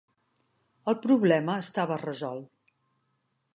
El problema estava resolt.